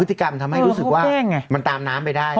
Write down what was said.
พฤติกรรมทำให้รู้สึกว่ามันตามน้ำไปได้